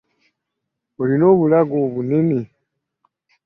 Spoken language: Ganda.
Olina obulago obunene.